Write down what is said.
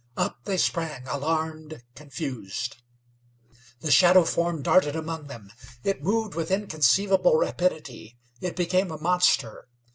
Up they sprang, alarmed, confused. The shadow form darted among them. It moved with inconceivable rapidity; it became a monster.